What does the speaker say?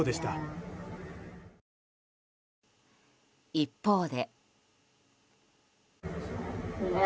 一方で。